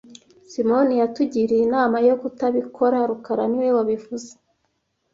Simoni yatugiriye inama yo kutabikora rukara niwe wabivuze